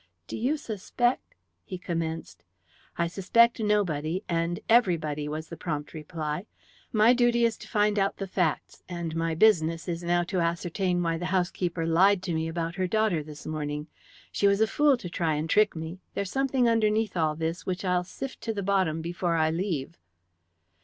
"Do you suspect " he commenced. "I suspect nobody and everybody," was the prompt reply. "My duty is to find out the facts, and my business is now to ascertain why the housekeeper lied to me about her daughter this morning. She was a fool to try and trick me. There's something underneath all this which I'll sift to the bottom before I leave."